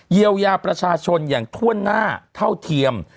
เยียวยาประชาชนอย่างถ้วนหน้าเท่าเทียม